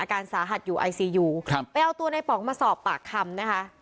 อาการสาหัสอยู่ไอซียูครับไปเอาตัวในป๋องมาสอบปากคำนะคะ